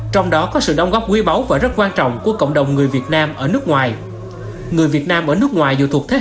trong đó có sự đồng góp quý báu và rất quan trọng của cộng đồng người việt nam ở nước ngoài